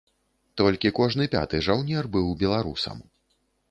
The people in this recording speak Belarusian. Толькі кожны пяты жаўнер быў беларусам.